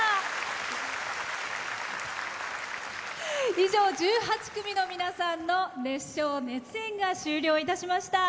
以上１８組の皆さんの熱唱・熱演が終了いたしました。